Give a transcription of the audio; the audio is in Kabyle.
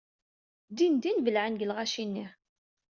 Dindin belɛen deg lɣaci-nni.